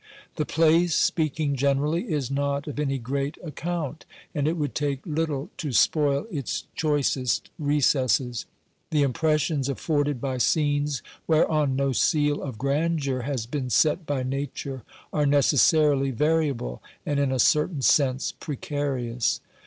The place, speaking generally, is not of any great ac count, and it would take little to spoil its choicest recesses. The impressions afforded by scenes whereon no seal of grandeur has been set by Nature are necessarily variable, and in a certain sense precarious.